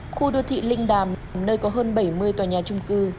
khu đô thị linh đàm nơi có hơn bảy mươi tòa nhà trung cư